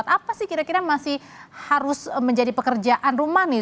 apa sih kira kira yang masih harus menjadi pekerjaan rumah nih